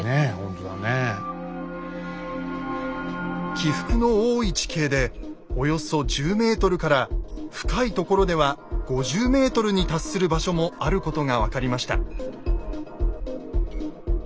起伏の多い地形でおよそ１０ｍから深いところでは５０ｍに達する場所もあることが分かりました。